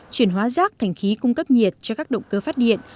chuyển hóa rác thành khí cung cấp nhiệt cho các động cơ phát điện